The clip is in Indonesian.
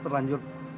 di rumah anak kamu